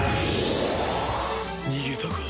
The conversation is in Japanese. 逃げたか。